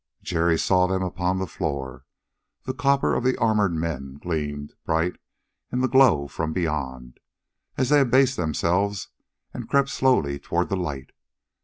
Jerry saw them upon the floor. The copper of the armored men gleamed bright in the glow from beyond, as they abased themselves and crept slowly toward the light.